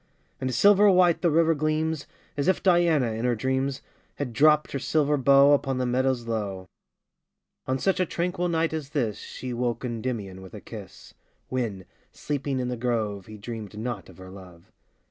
5 And silver white the river gleams, As if Diana, in her dreams, • Had dropt her silver bow Upon the meadows low. On such a tranquil night as this, io She woke Kndymion with a kis^, When, sleeping in tin grove, He dreamed not of her love.